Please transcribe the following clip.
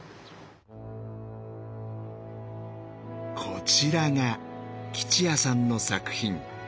こちらが喜千也さんの作品。